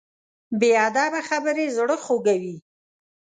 بې ادبه خبرې زړه خوږوي.